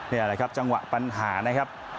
นี่แหละครับจังหวะปัญหานะครับ